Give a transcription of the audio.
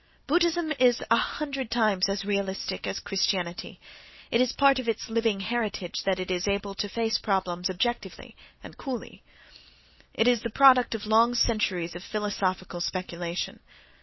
—Buddhism is a hundred times as realistic as Christianity—it is part of its living heritage that it is able to face problems objectively and coolly; it is the product of long centuries of philosophical speculation.